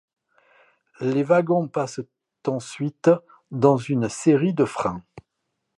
Les wagons passent ensuite dans une série de freins.